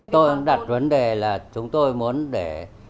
tôi đặt vấn đề là chúng tôi muốn để